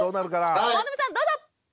本並さんどうぞ！